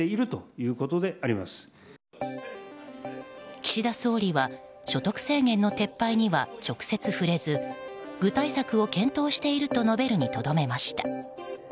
岸田総理は所得制限の撤廃には直接触れず具体策を検討していると述べるにとどめました。